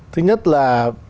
thứ nhất là